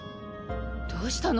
どうしたの？